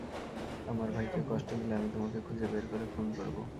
আমার ভাইকে কষ্ট দিলে, আমি তোমাকে খুঁজে বের করে খুন করব।